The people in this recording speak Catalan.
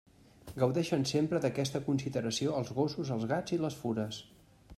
Gaudeixen sempre d'aquesta consideració els gossos, els gats i les fures.